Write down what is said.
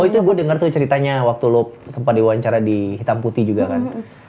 oh itu gue denger tuh ceritanya waktu lo sempat diwawancara di hitam putih juga kan